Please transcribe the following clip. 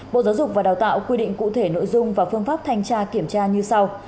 bộ giáo dục và đào tạo quy định cụ thể nội dung và phương pháp thanh tra kiểm tra như sau